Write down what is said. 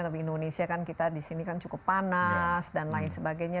tapi indonesia kan kita di sini kan cukup panas dan lain sebagainya